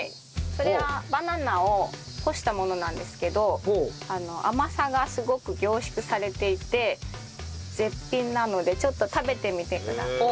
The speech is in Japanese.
それはバナナを干したものなんですけど甘さがすごく凝縮されていて絶品なのでちょっと食べてみてください。